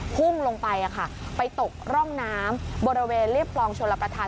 หุ้มลงไปค่ะไปตกร่องน้ำบริเวณเรียบรองชนลประธานสมทราย